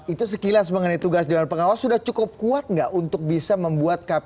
itu sekilas mengenai tugas dewan pengawas sudah cukup kuat nggak untuk bisa membuat kpk